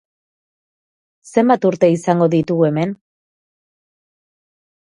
Zenbat urte izango ditugu hemen?